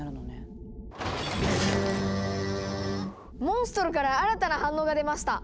モンストロから新たな反応が出ました！